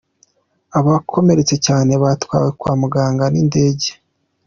Abakomeretse cyane batwawe kwa muganga n’indege.